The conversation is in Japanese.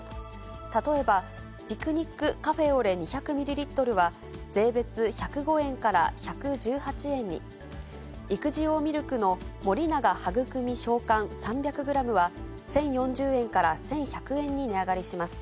例えばピクニックカフェ・オ・レ２００ｍｌは税別１０５円から１１８円に、育児用ミルクの森永はぐくみ小缶３００ｇは１０４０円から１１００円に値上がりします。